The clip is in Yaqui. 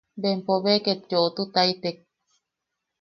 Bempo be ket yoʼotutaitek.